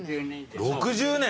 ６０年！